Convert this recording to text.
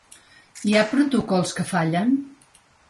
Hi ha protocols que fallen?